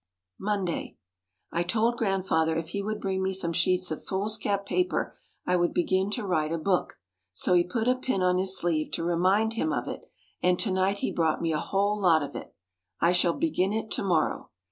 Monday. I told Grandfather if he would bring me some sheets of foolscap paper I would begin to write a book. So he put a pin on his sleeve to remind him of it and to night he brought me a whole lot of it. I shall begin it to morrow.